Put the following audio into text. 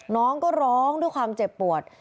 น้องก็ร้องด้วยความเจ็บปวด